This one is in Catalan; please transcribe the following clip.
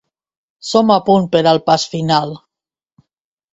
Som a punt per al pas final.